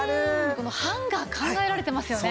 このハンガー考えられてますよね。